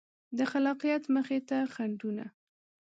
د خلاقیت مخې ته خنډونه